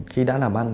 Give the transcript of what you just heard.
khi đã làm bán